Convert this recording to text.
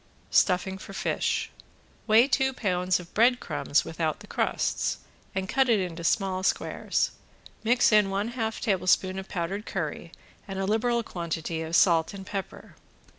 ~STUFFING FOR FISH~ Weigh two pounds of breadcrumbs without the crusts, and cut it into small squares, mix in one half tablespoon of powdered curry and a liberal quantity of salt and pepper.